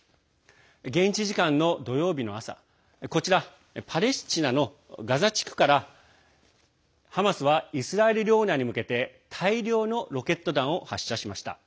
現地時間の土曜日の朝、こちらパレスチナのガザ地区からハマスはイスラエル領内に向けて大量のロケット弾を発射しました。